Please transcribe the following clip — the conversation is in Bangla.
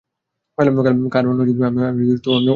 কারণ, আমি অনন্তকাল বেঁচে থাকব!